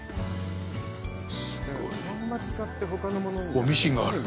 おっ、ミシンがある。